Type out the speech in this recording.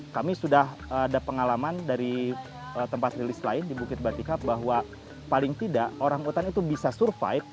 kami sudah ada pengalaman dari tempat rilis lain di bukit batikap bahwa paling tidak orang utan itu bisa survive